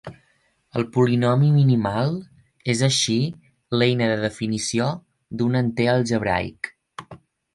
El polinomi minimal és així l'eina de definició d'un enter algebraic.